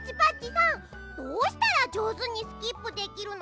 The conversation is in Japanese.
どうしたらじょうずにスキップできるの？